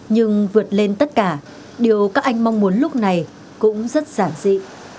nhưng vượt lên tất cả điều các anh mong muốn lúc này cũng rất giản dị